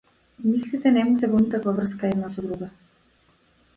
Мислите не му се во никаква врска една со друга.